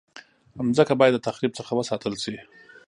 مځکه باید د تخریب څخه وساتل شي.